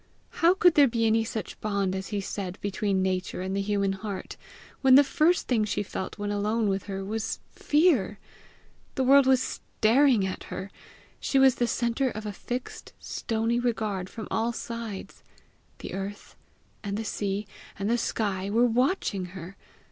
How could there be any such bond as he said between Nature and the human heart, when the first thing she felt when alone with her, was fear! The world was staring at her! She was the centre of a fixed, stony regard from all sides! The earth, and the sea, and the sky, were watching her!